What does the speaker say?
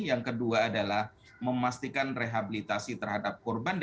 yang kedua adalah memastikan rehabilitasi terhadap korban